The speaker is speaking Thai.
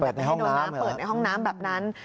ให้โดนน้ำเปิดในห้องน้ำแบบนั้น